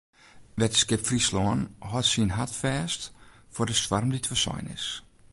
Wetterskip Fryslân hâldt syn hart fêst foar de stoarm dy't foarsein is.